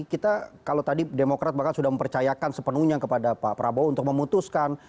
kita kalau tadi demokrat bahkan sudah mempercayakan sepenuhnya kepada pak prabowo untuk memutuskan